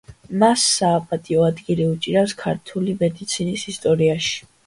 მას საპატიო ადგილი უჭირავს ქართული მედიცინის ისტორიაში.